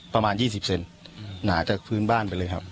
ประมาณยี่สิบเซ็นต์หนาจากพื้นบ้านไปเลยครับ